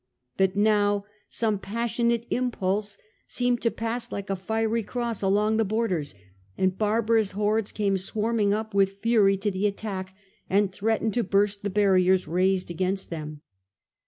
But now some passionate impulse seemed to pass like a fiery cross along the borders, and barbarous hordes came swarming up with' fury to the attack, and threatened to burst the barriers raised against them.